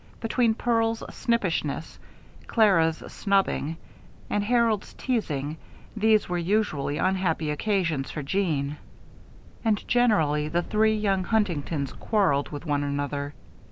Between Pearl's snippishness, Clara's snubbing, and Harold's teasing, these were usually unhappy occasions for Jeanne. And generally the three young Huntingtons quarreled with one another.